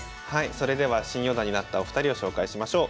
それでは新四段になったお二人を紹介しましょう。